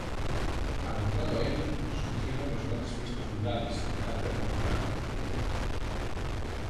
Adentrado el surgieron los grandes frescos murales, de carácter popular.